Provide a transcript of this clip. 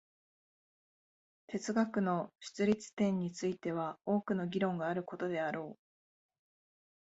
哲学の出立点については多くの議論があることであろう。